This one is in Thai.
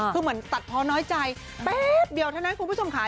คือเหมือนตัดเพราะน้อยใจแป๊บเดียวเท่านั้นคุณผู้ชมค่ะ